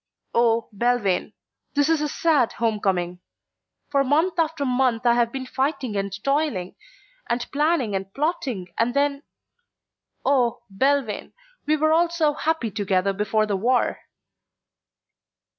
"Oh, Belvane, this is a sad homecoming. For month after month I have been fighting and toiling, and planning and plotting and then Oh, Belvane, we were all so happy together before the war."